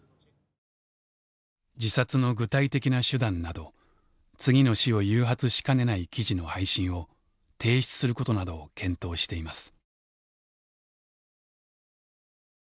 自殺の具体的な手段など次の死を誘発しかねない記事の配信を停止することなどを検討しています。